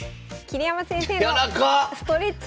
桐山先生